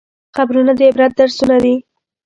قبرونه د عبرت درسونه دي.